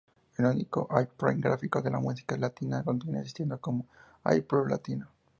La única-Airplay gráfico de la música latina continúa existiendo como Airplay Latino.